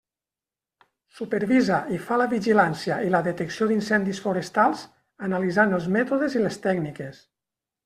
Supervisa i fa la vigilància i la detecció d'incendis forestals, analitzant els mètodes i les tècniques.